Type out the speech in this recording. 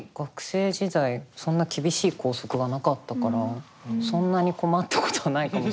そんな厳しい校則がなかったからそんなに困ったことはないかもしれない。